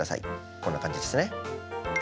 こんな感じですね。